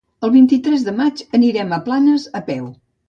El vint-i-tres de maig anirem a Planes a peu.